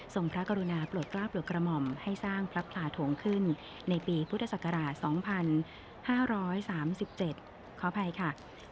ส่งพระกรุณาปลวดกราบปลวดกระหม่อมให้สร้างพลับผลาถ่วงขึ้นในปีภูตศักราช๒๕๓๗ขออภัยค่ะ